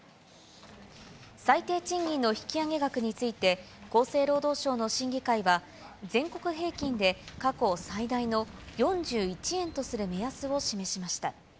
最低賃金の引き上げ額について、厚生労働省の審議会は、全国平均で過去最大の４１円とする目安を示しました。